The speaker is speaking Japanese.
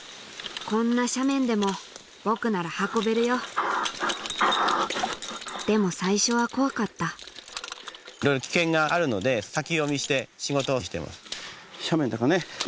こんな斜面でも僕なら運べるよでも最初は怖かったいろいろ危険があるので先読みして仕事をしてます。